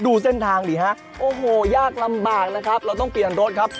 ดูเส้นทางดิฮะโอ้โหยากลำบากนะครับเราต้องเปลี่ยนรถครับ